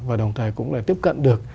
và đồng thời cũng tiếp cận được